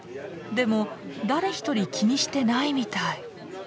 でも誰一人気にしてないみたい。